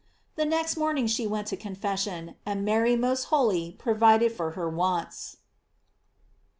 The next morn ing she went to confession, and Mary most holy provided for her wants.